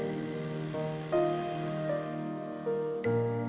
setelah berjalan ke rumah mereka mereka berjalan ke rumah mereka